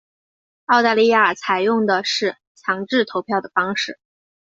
澳大利亚采用的是强制投票的方式。